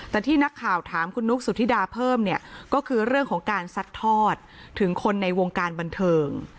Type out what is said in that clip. แต่ที่นักข่าวถามคุณนุ๊กสุธิดาเพิ่มเนี่ยก็คือเรื่องของการซัดทอดถึงคนในวงการบันเทิง